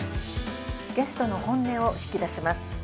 ゲストの本音を引き出します。